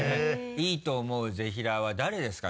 いいと思うぜひらーは誰ですか？